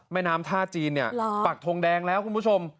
แม่น้ำท่าจีนเนี่ยปักทงแดงแล้วคุณผู้ชม